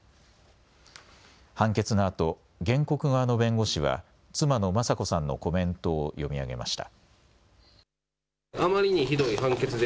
判決のあと原告側の弁護士は妻の雅子さんのコメントを読み上げました。